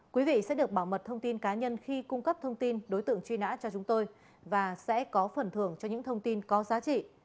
quý vị sẽ được bảo mật thông tin cá nhân khi cung cấp thông tin đối tượng truy nã cho chúng tôi và sẽ có phần thưởng cho những thông tin có giá trị